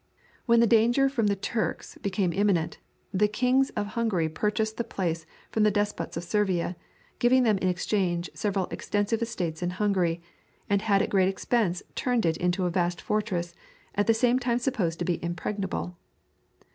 When the danger from the Turks became imminent, the kings of Hungary purchased the place from the despots of Servia, giving them in exchange several extensive estates in Hungary, and had at great expense turned it into a vast fortress, at that time supposed to be impregnable.